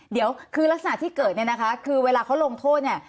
เดี๋ยวคือลักษณะที่เกิดเนี่ยนะคะคือเวลาเขาลงโทษเนี่ย